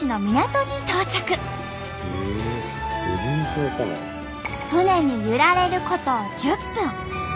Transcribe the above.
船に揺られること１０分。